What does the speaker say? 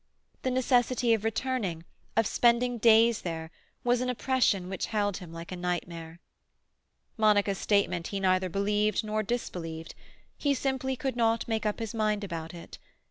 The necessity of returning, of spending days there, was an oppression which held him like a nightmare. Monica's statement he neither believed nor disbelieved; he simply could not make up his mind about it.